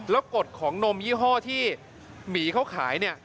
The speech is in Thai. แล้วกฎของนมยี่ห้อที่หมีเขาขายเนี่ย